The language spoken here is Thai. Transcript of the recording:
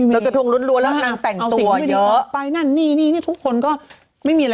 สวัสดีค่ะข้าวใส่ไข่สดใหม่เยอะสวัสดีค่ะ